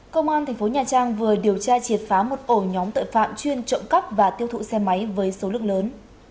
công an thành phố nhà trang vừa điều tra triệt phá một ổ nhóm tội phạm chuyên trộm cắp và tiêu thụ xe máy với số lượng lớn